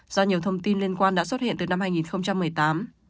do nhiều thông tin liên quan đã xuất hiện từ năm hai nghìn một mươi tám